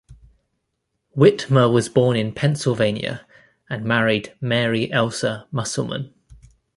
Whitmer was born in Pennsylvania and married Mary Elsa Musselman.